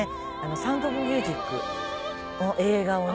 『サウンド・オブ・ミュージック』映画をね